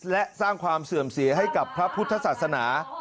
และสร้างความเสื่อมเสียให้กับพระพุทธศาสนา